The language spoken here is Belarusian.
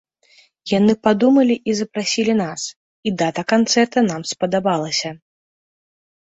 Яны падумалі і запрасілі нас, і дата канцэрта нам спадабалася.